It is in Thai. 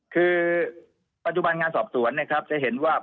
คือปัจจุบันงานสอบส่วนจะเห็นว่า